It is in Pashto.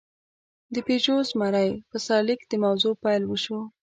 د «پيژو زمری» په سرلیک د موضوع پېل وشو.